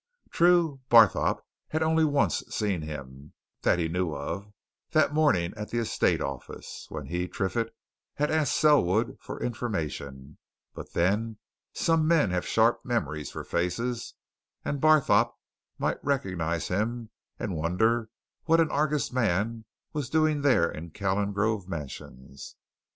True, Barthorpe had only once seen him, that he knew of that morning at the estate office, when he, Triffitt, had asked Selwood for information but then, some men have sharp memories for faces, and Barthorpe might recognize him and wonder what an Argus man was doing there in Calengrove Mansions.